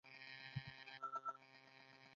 چارمغز د ویښتانو روغتیا ته ګټه رسوي.